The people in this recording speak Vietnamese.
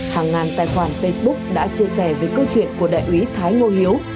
hàng ngàn tài khoản facebook đã chia sẻ về câu chuyện của đại úy thái ngô hiếu